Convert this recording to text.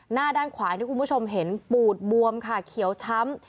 ด้านขวาที่คุณผู้ชมเห็นปูดบวมค่ะเขียวช้ำ